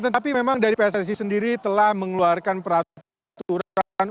tetapi memang dari pssi sendiri telah mengeluarkan peraturan